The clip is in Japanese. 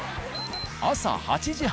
朝８時半。